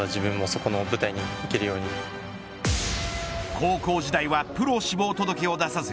高校時代はプロ志望届を出さず